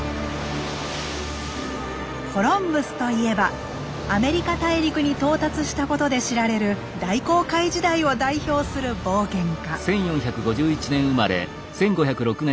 コロンブスといえばアメリカ大陸に到達したことで知られる大航海時代を代表する冒険家。